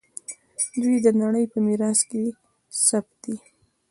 دوی د نړۍ په میراث کې ثبت دي.